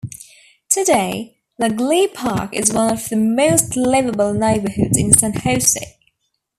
Today, Naglee Park is one of the most livable neighborhoods in San Jose.